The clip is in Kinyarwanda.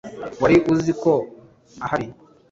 wari uzi ko ahari